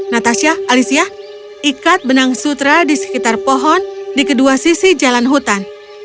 natasha alisia ikat benang sutra di sekitar pohon di kedua sisi jalan hutan